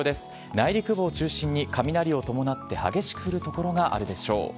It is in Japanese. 内陸部を中心に雷を伴って激しく降る所があるでしょう。